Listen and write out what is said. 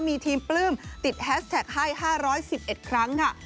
มีทีมปลื้มติดแฮสแท็กให้๕๑๑ครั้งค่ะ